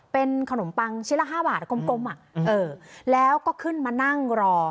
เป็นขนมปังชิ้นละ๕บาทกลมแล้วก็ขึ้นมานั่งรอ